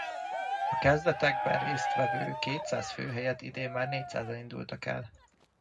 A kezdetekben részt vevő kétszáz fő helyett idén már négyszázan indultak el.